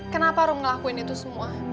kenapa roh ngelakuin itu semua